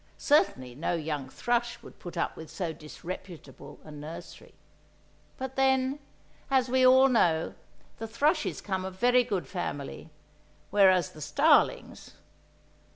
—certainly no young thrush would put up with so disreputable a nursery. But then, as we all know, the thrushes come of very good family; whereas the starlings!